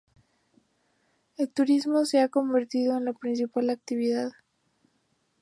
El turismo se ha convertido en la principal actividad.